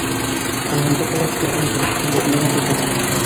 Ҡулыңды рәткә индер, эшең бөтмәгән бит әле.